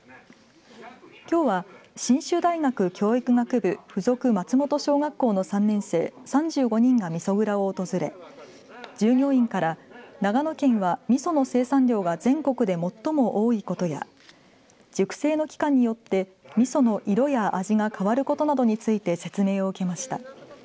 きょうは、信州大学教育学部附属松本小学校の３年生３５人がみそ蔵を訪れ従業員から長野県はみその生産量が全国で最も多いことや熟成の期間によってみその色や味が変わることなどについて説明を受けました。